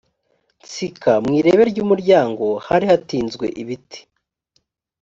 nsika mu irebe ry umuryango hari hatinzwe ibiti